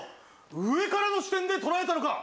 上からの視点で捉えたのか。